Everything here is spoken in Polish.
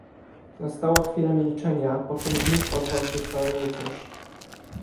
"Nastała chwila milczenia, poczem znów ozwał się stary rycerz."